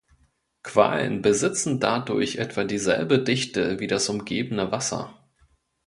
Quallen besitzen dadurch etwa dieselbe Dichte wie das umgebende Wasser.